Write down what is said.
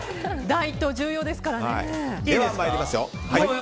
第１投重要ですからね。